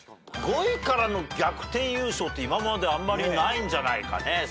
５位からの逆転優勝って今まであんまりないんじゃないかね。